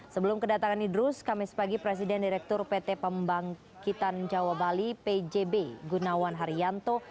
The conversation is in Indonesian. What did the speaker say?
sebelum kedatangan idrus kami sepagi presiden direktur pt pembangkitan jawa bali pjb gunawan haryanto